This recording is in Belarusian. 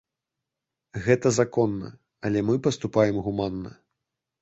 Гэта законна, але мы паступаем гуманна.